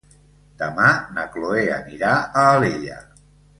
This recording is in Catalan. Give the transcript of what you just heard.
Demà na Chloé anirà a Alella.